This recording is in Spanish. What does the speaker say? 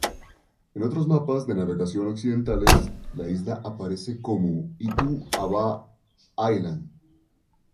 En otros mapas de navegación occidentales, la isla aparece como "Itu Aba Island".